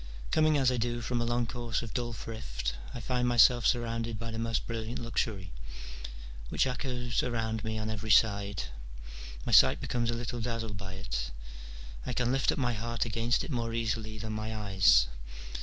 Coming as I do from a long course of dull thrift, I find myself surrounded by the most brilliant luxury, which echoes around me on every side : my sight becomes a little dazzled by it : I can lift up my heart against it more easily than my eyes.